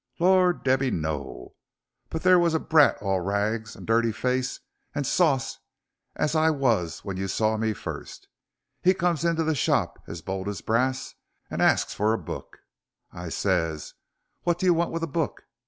"Lor', Debby no. But there wos a brat all rags and dirty face and sauce as I was when you saw me fust. He come into the shop as bold as brass and arsked fur a book. I ses, 'What do you want with a book?'